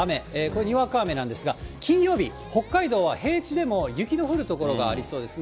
これ、にわか雨なんですが、金曜日、北海道は平地でも雪の降る所がありそうです。